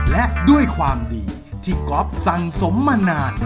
และด้วยความดีที่ก๊อฟสั่งสมมานาน